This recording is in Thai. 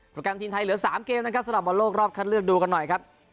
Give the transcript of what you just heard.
แกรมทีมไทยเหลือ๓เกมนะครับสำหรับบอลโลกรอบคัดเลือกดูกันหน่อยครับ